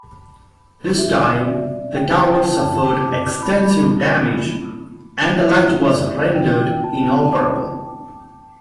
This time, the tower suffered extensive damage, and the light was rendered inoperable.